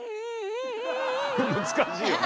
難しいよね。